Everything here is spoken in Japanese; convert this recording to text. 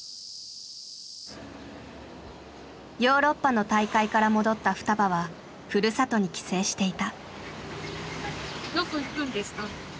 ヨーロッパの大会から戻ったふたばはふるさとに帰省していた。